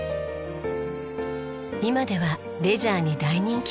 今ではレジャーに大人気。